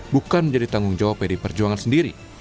bukan menjadi tanggung jawab pdi perjuangan sendiri